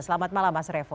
selamat malam mas revo